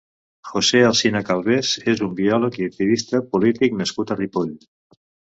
José Alsina Calvés és un biòleg i activista polític nascut a Ripoll.